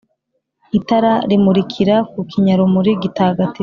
itara rimurikira ku kinyarumuri gitagatifu,